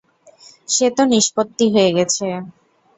সে তো নিষ্পত্তি হয়ে গেছে।